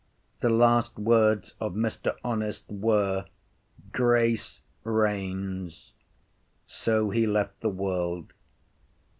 The last words of Mr. Honest were, Grace reigns. So he left the world.